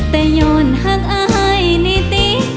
แต่ย้อนหักอายนิติ